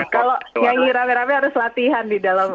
kalau nyanyi rame rame harus latihan di dalam